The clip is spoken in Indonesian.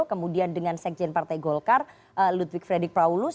kemudian dengan sekjen partai golkar ludwig fredrik paulus